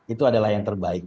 itu adalah yang terbaik